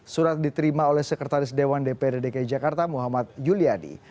surat diterima oleh sekretaris dewan dprd dki jakarta muhammad yuliadi